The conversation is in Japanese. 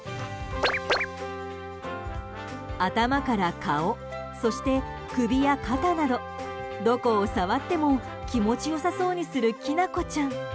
頭から顔、そして首や肩などどこを触っても気持ち良さそうにするきなこちゃん。